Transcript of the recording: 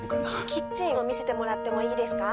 キッチンを見せてもらってもいいですか？